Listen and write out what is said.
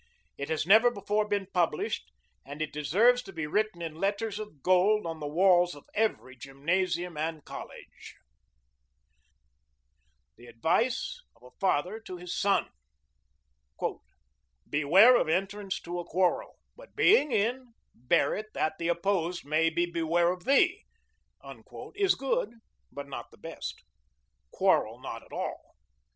It has never before been published, and it deserves to be written in letters of gold on the walls of every gymnasium and college: The advice of a father to his son, "Beware of entrance to a quarrel, but being in, bear it that the opposed may beware of thee!" is good, but not the best. Quarrel not at all.